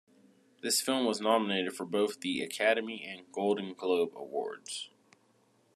This film was nominated for both the Academy and Golden Globe Awards.